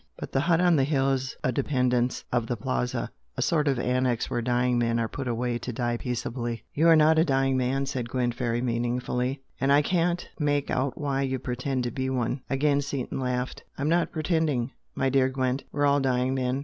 But the hut on the hill is a 'dependence' of the Plaza a sort of annex where dying men are put away to die peaceably " "YOU are not a dying man!" said Gwent, very meaningly "And I can't make out why you pretend to be one!" Again Seaton laughed. "I'm not pretending! my dear Gwent, we're all dying men!